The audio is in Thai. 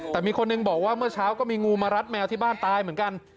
แต่มีคนหนึ่งบอกว่าเมื่อเช้าก็มีงูมารัดแมวที่บ้านตายเหมือนกัน